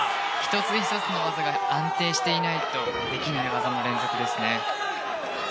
１つ１つの技が安定しないとできない、技の連続ですね。